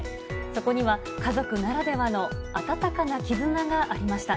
そこには家族ならではの温かな絆がありました。